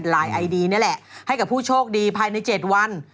ไอดีนี่แหละให้กับผู้โชคดีภายใน๗วัน